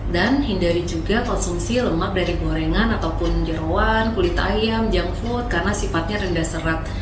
dan hindari juga konsumsi lemak dari gorengan ataupun jerawan kulit ayam junk food karena sifatnya rendah serat